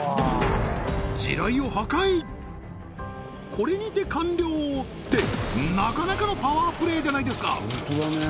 これにて完了ってなかなかのパワープレーじゃないですか！